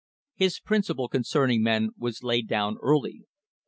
His principle concerning men was laid down early.